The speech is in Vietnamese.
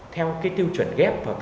theo cái tiêu chuẩn ghép